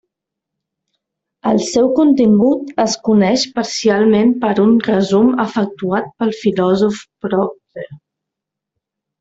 El seu contingut es coneix parcialment per un resum efectuat pel filòsof Procle.